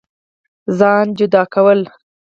ځان جدا كول